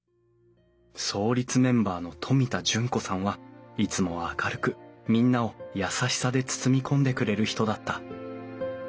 創立メンバーの冨田順子さんはいつも明るくみんなを優しさで包み込んでくれる人だった。